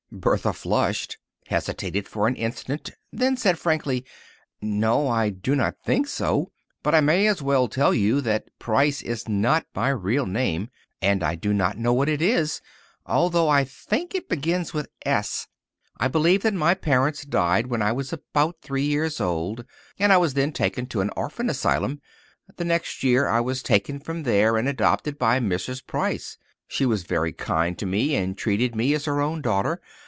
Bertha flushed, hesitated for an instant, then said frankly, "No, I do not think so. But I may as well tell you that Price is not my real name and I do not know what it is, although I think it begins with S. I believe that my parents died when I was about three years old, and I was then taken to an orphan asylum. The next year I was taken from there and adopted by Mrs. Price. She was very kind to me and treated me as her own daughter.